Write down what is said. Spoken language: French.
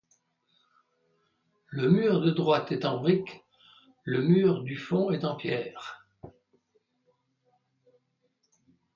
Le mur de droite est en brique, le mur du fond est en pierre.